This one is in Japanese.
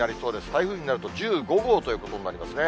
台風になると、１５号ということになりますね。